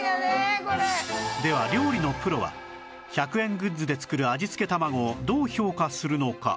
では料理のプロは１００円グッズで作る味付けたまごをどう評価するのか？